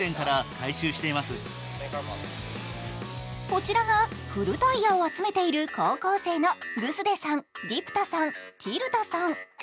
こちらが古タイヤを集めている高校生のグスデさん、ディプタさん、ティルタさん。